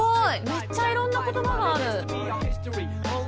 めっちゃいろんな言葉がある。